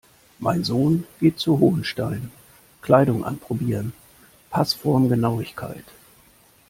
Mein Sohn geht zu Hohenstein, Kleidung anprobieren, Passformgenauigkeit.